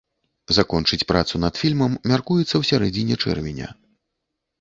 Закончыць працу над фільмам мяркуецца ў сярэдзіне чэрвеня.